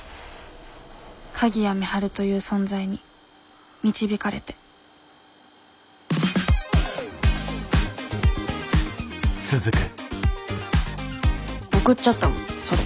鍵谷美晴という存在に導かれて送っちゃったのそれ。